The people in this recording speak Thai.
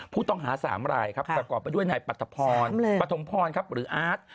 ผู้ต้องหา๓รายครับประกอบไปด้วยนายปรัฐพรปฐมพรครับหรืออาร์ต